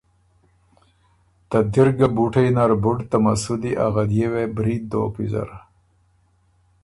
ته دِرګه بُوټئ نر بُډ ته مسُودی ا غدئے وې برید دوک ویزر